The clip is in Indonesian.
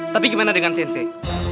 tapi gimana dengan sensei